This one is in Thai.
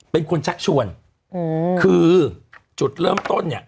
เป็นคนชักชวนคือจุดเริ่มต้นเนี่ย